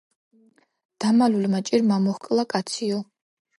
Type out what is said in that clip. დამალულმა ჭირმა მოჰკლა კაციო